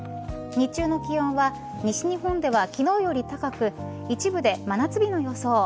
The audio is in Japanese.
日中の気温は西日本では昨日より高く一部で真夏日の予想。